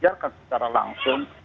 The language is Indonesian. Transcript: biar kan secara langsung